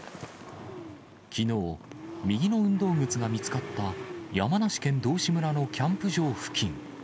きのう、右の運動靴が見つかった、山梨県道志村のキャンプ場付近。